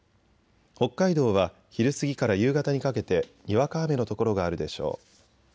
北海道は昼過ぎから夕方にかけてにわか雨の所があるでしょう。